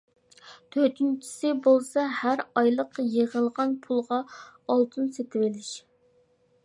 تۆتىنچىسى بولسا ھەر ئايلىق يىغىلغان پۇلىغا ئالتۇن سېتىۋېلىش.